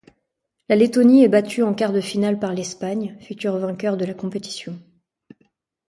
La Lettonie est battue en quart-de-finale par l'Espagne, futur vainqueur de la compétition.